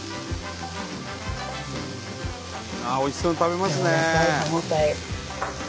ああおいしそうに食べますね。